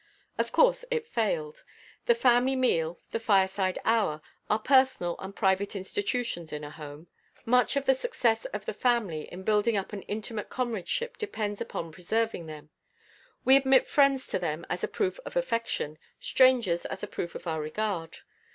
Of course it failed. The family meal, the fireside hour, are personal and private institutions in a home. Much of the success of the family in building up an intimate comradeship depends upon preserving them. We admit friends to them as a proof of affection, strangers as a proof of our regard.